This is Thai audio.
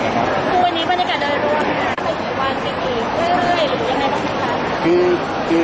วันนี้บรรยากาศโดยรวมอีกกว่านี้อีกได้หรือยังไงครับพี่น้องประชาชน